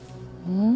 うん。